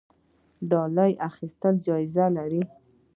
ډالۍ اخیستل جواز لري؟